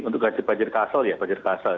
untuk hasil banjir kasal ya banjir kasal